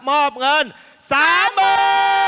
มอบเงิน๓มือ